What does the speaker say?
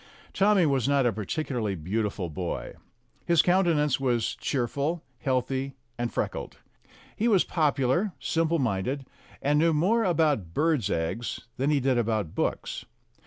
Tommy was not a particularly beautiful boy. His countenance was cheerful, healthy, and freckled. He was popular, simple minded, and knew more about birds' eggs than he did about books.